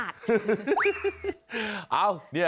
สะอาด